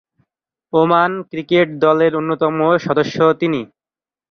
Oman cricket দলের অন্যতম সদস্য তিনি।